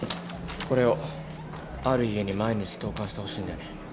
これをある家に毎日投函してほしいんだよね。